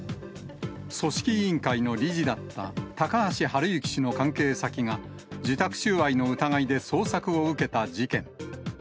組織委員会の理事だった高橋治之氏の関係先が、受託収賄の疑いで捜索を受けた事件。